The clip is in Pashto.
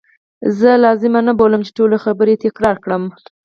زه لازمه نه بولم چې ټولي خبرې تکرار کړم.